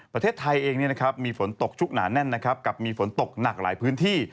ประเทศไทยเองมีฝนตกชุกหนาแน่นนะครับกับมีฝนตกหนักหลายพื้นที่